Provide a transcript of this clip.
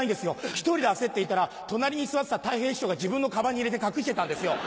１人で焦っていたら隣に座ってたたい平師匠が自分のかばんに入れて隠してたんですよ。